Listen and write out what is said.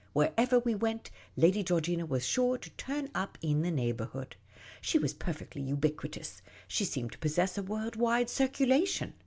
Wherever we went, Lady Georgina was sure to turn up in the neighbourhood. She was perfectly ubiqui tous : she seemed to possess a world wide circulation.